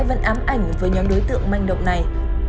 vẫn ám ảnh với nhóm đối tượng manh động này